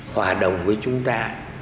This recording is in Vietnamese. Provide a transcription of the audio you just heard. hòa đồng với chúng ta